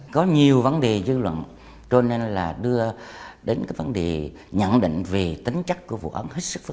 bởi vì mình có cái loại mình đâu có